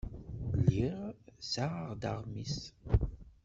Lliɣ ssaɣeɣ-d aɣmis.